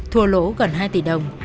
thua lỗ gần hai tỷ đồng